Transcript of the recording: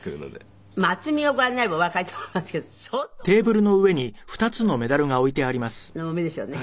厚みをご覧になればおわかりと思いますけど相当の相当な重みですよね。